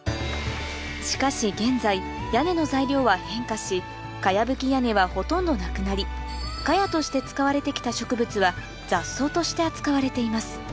しかし現在茅葺き屋根はほとんどなくなり茅として使われてきた植物は雑草として扱われています